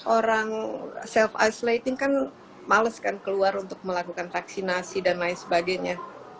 orang self isolating kan males kan keluar untuk melakukan vaksinasi dan lain sebagainya